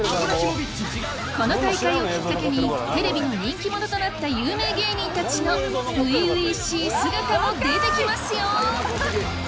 この大会をきっかけにテレビの人気者となった有名芸人たちの初々しい姿も出てきますよ！